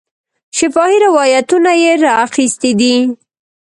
شفاهي روایتونه یې را اخیستي دي.